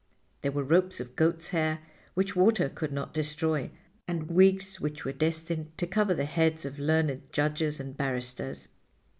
There were ropes of goats' hair which water could not destroy, and wigs which were destined to cover the heads of learned judges and barristers.